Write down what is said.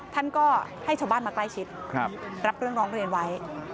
ท่านก็ให้ชาวบ้านมาใกล้ชิดรับเรื่องร้องเรียนไว้